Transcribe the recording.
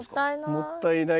もったいない。